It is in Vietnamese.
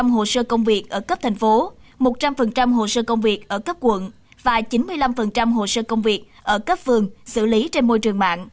một trăm linh hồ sơ công việc ở cấp thành phố một trăm linh hồ sơ công việc ở cấp quận và chín mươi năm hồ sơ công việc ở cấp phường